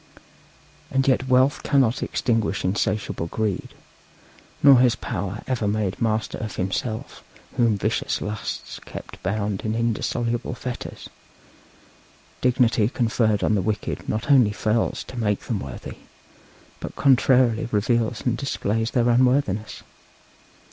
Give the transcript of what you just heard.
And yet wealth cannot extinguish insatiable greed, nor has power ever made him master of himself whom vicious lusts kept bound in indissoluble fetters; dignity conferred on the wicked not only fails to make them worthy, but contrarily reveals and displays their unworthiness.